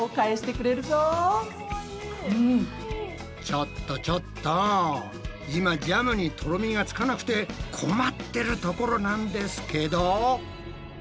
ちょっとちょっと今ジャムにとろみがつかなくて困ってるところなんですけど。